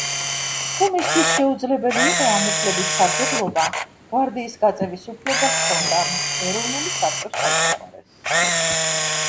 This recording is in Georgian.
თუ მისთვის შეუძლებელი იყო ამ უფლებით სარგებლობა, გვარდიის გაწვევის უფლება ჰქონდა ეროვნული საბჭოს თავმჯდომარეს.